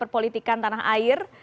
politikan tanah air